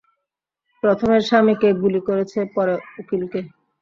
প্রথমে স্বামীকে গুলি করেছে, পরে উকিলকে!